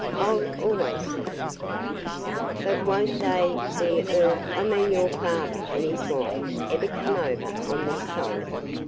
I 'll always see you." "But won't they – the – er – I mean your father and his wife – ever come over on this side?"